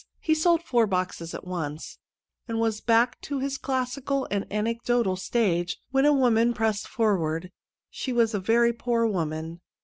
He sold four boxes at once, and was back in his classical and anecdotal stage, when a woman pressed forward. She was a very poor woman.